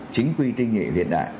chính quy tinh nghệ hiện đại